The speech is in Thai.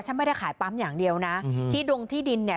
ไม่ได้ขายปั๊มอย่างเดียวนะที่ดงที่ดินเนี่ย